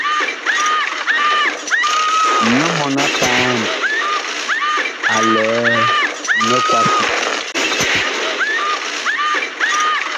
Nyɔ mɔɔn-a-paam a lɛ mikwasi.